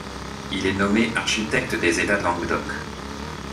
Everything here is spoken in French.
Il est nommé architecte des États de Languedoc.